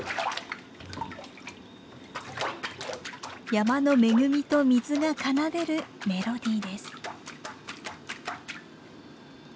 山の恵みと水が奏でるメロディーです。